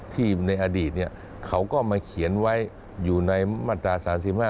ที่ในอดีตเนี่ยเขาก็มาเขียนไว้อยู่ในมาตรศาสิบห้า